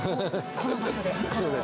この場所で？